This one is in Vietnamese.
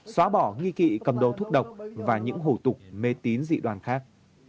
xóa bỏ nghi kỵ cầm đồ thúc độc và những hủ tục mê tín dị đoàn khác